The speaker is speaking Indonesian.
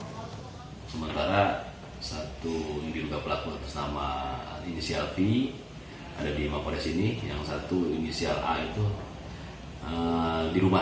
di sini ada dua pelaku yang berinisial vi ada lima pelaku yang berinisial a itu di rumah